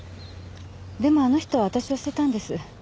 でもあの人は私を捨てたんです。